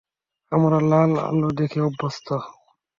আমারা লাল আলো দেখে অভ্যস্ত।